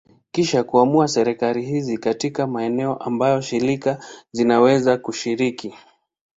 Kisha kuamua serikali hizi katika maeneo ambayo shirika zinaweza kushiriki.